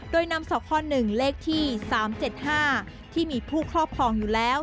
โดยนำสค๑เลขที่๓๗๕ที่มีผู้ครอบครองอยู่แล้ว